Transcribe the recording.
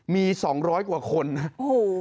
มีสองร้อยกว่าคนโห